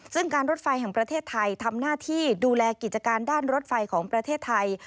ซึ่งการรถไฟแห่งประเทศไทยทำหน้าที่ดูแลกิจการด้านรถไฟของประเทศไทย